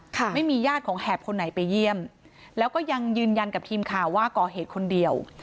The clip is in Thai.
ไม่มีญาติของแหบคนไหนไปเยี่ยมแล้วก็ยังยืนยันกับทีมข่าวว่าก่อเหตุคนเดียว